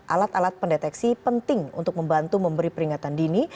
alat alat pendeteksi penting untuk membantu memberi peringatan dini